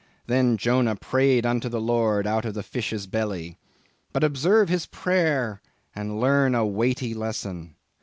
Then Jonah prayed unto the Lord out of the fish's belly. But observe his prayer, and learn a weighty lesson.